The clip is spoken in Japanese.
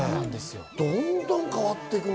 どんどん変わっていくね。